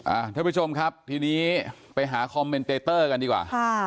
ท่านผู้ชมครับทีนี้ไปหาคอมเมนเตเตอร์กันดีกว่าค่ะ